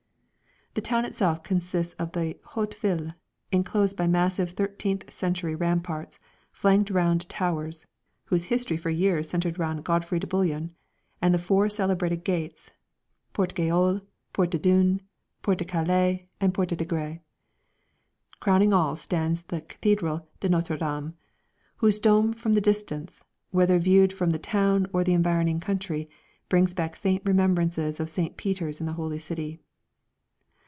The town itself consists of the Haute Ville enclosed by massive thirteenth century ramparts flanked by round towers, whose history for years centred round Godfrey de Bouillon, and the four celebrated gates (Porte Gayole, Porte des Dunes, Porte de Calais and Porte des Degrés). Crowning all stands the Cathédrale de Notre Dame, whose dome from the distance, whether viewed from the town or the environing country, brings back faint remembrances of St. Peter's in the Holy City.